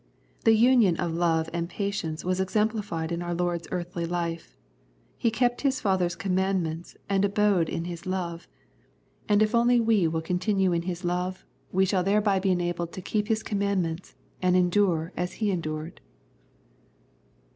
The union of love and patience was exemplified in our Lord's earthly life. He kept His Father's com mandments and abode in His love, and if 47 The Prayers of St. Paul only we will continue in His love we shall thereby be enabled to keep His command ments, and endure as He endured.